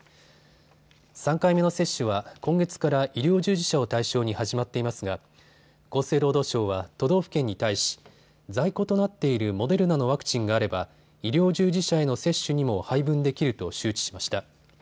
３回目の接種は今月から医療従事者を対象に始まっていますが厚生労働省は都道府県に対し在庫となっているモデルナのワクチンがあれば医療従事者への接種にも配分できると周知しました。